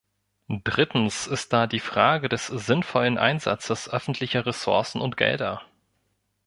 Drittens ist da die Frage des sinnvollen Einsatzes öffentlicher Ressourcen und Gelder.